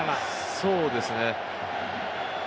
そうですね。